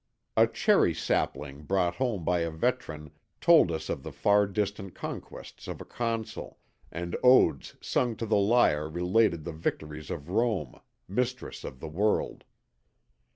A cherry sapling brought home by a veteran told us of the far distant conquests of a Consul, and odes sung to the lyre related the victories of Rome, mistress of the world.